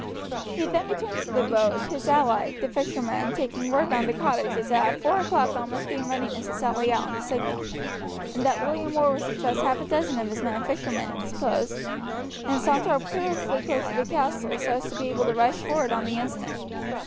He then returned to the boat, his ally, the fisherman, taking word round to the cottages that at four o'clock all must be in readiness to sally out on the signal, and that William Orr was to dress half a dozen of his men in fishermen's clothes and saunter up carelessly close to the castle, so as to be able to rush forward on the instant.